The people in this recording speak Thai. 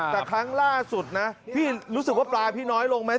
แต่ครั้งล่าสุดนะพี่รู้สึกว่าปลาพี่น้อยลงไหม